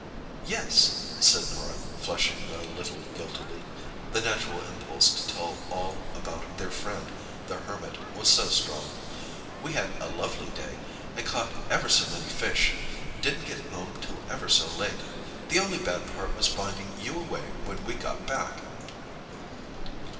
"Yes," said Norah, flushing a little guiltily—the natural impulse to tell all about their friend the Hermit was so strong. "We had a lovely day, and caught ever so many fish—didn't get home till ever so late. The only bad part was finding you away when we got back."